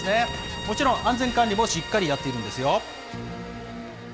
もちろん、安全管理もしっかりやっているんですよ。